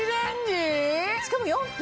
しかも４分！